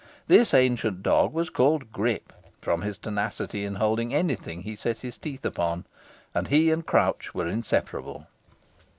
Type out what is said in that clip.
This ancient dog was called Grip, from his tenacity in holding any thing he set his teeth upon, and he and Crouch were inseparable.